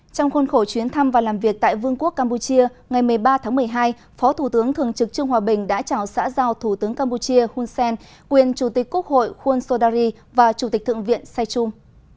trong khuôn khổ chuyến thăm và làm việc tại vương quốc campuchia ngày một mươi ba tháng một mươi hai phó thủ tướng thường trực trương hòa bình đã chào xã giao thủ tướng campuchia hun sen quyền chủ tịch quốc hội khuôn sodari và chủ tịch thượng viện sai trung